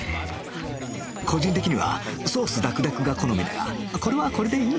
個人的にはソースだくだくが好みだがこれはこれでいい